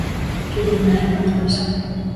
Kilo moja inatosha.